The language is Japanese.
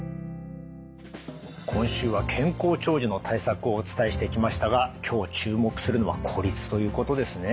今週は健康長寿の対策をお伝えしてきましたが今日注目するのは孤立ということですね。